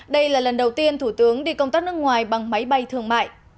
đây là lần đầu tiên thủ tướng đi công tác nước ngoài bằng máy bay thương mại